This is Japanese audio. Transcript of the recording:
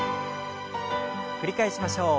繰り返しましょう。